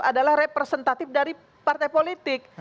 adalah representatif dari partai politik